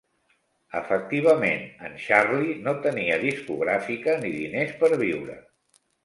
Efectivament en Charlie no tenia discogràfica ni diners per viure.